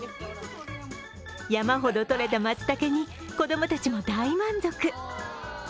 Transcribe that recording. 山ほどとれたまつたけに子供たちも大満足。